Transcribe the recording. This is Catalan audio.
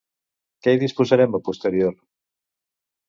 Què hi disposarem a posterior?